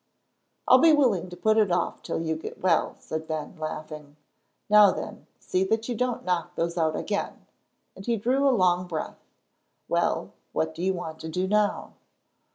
"I'll be willing to put it off till you get well," said Ben, laughing. "Now, then, see that you don't knock those out again," and he drew a long breath. "Well, what do you want to do now?"